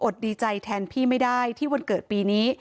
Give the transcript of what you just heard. ดีใจแทนพี่ไม่ได้ที่วันเกิดปีนี้